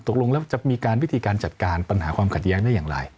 ตกลงแล้วจะมีการวิธีการจัดการปัญหาความขัดแย้งได้อย่างไร